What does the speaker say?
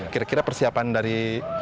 kira kira persiapan dari